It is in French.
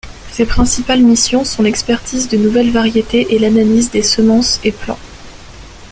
Ses principales missions sont l'expertise de nouvelles variétés et l'analyse des semences et plants.